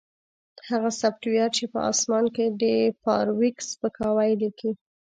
هغه سافټویر چې په اسمان کې د فارویک سپکاوی لیکي